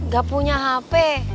gak punya hp